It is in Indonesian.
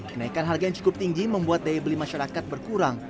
kenaikan harga yang cukup tinggi membuat daya beli masyarakat berkurang